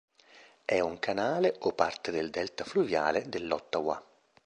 È un canale o parte del delta fluviale dell'Ottawa.